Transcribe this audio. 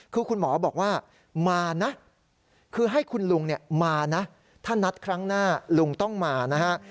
คือคุณหมอบอกว่ามานะคือให้คุณลุงเนี่ยมานะถ้านัดครั้งหน้าลุงต้องมานะฮะ